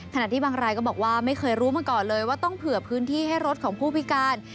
ที่บางรายก็บอกว่าไม่เคยรู้มาก่อนเลยว่าต้องเผื่อพื้นที่ให้รถของผู้พิการ